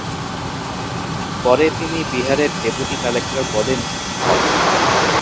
পরে তিনি বিহারের ডেপুটি কালেক্টর পদে নিযুক্ত হন।